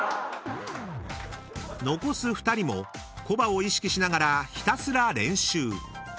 ［残す２人も小刃を意識しながらひたすら練習］